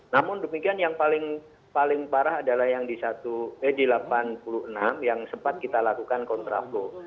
namun demikian yang paling parah adalah yang di delapan puluh enam yang sempat kita lakukan kontraflow